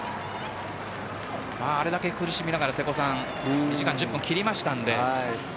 あれだけ苦しみましたが２時間１０分を切りました。